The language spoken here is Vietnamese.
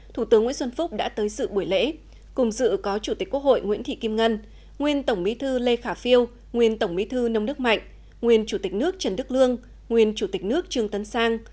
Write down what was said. thủ tướng nguyễn xuân phúc đã tới sự buổi lễ cùng dự có chủ tịch quốc hội nguyễn thị kim ngân nguyên tổng bí thư lê khả phiêu nguyên tổng bí thư nông đức mạnh nguyên chủ tịch nước trần đức lương nguyên chủ tịch nước trương tấn sang